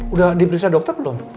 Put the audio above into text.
udah diperiksa dokter belum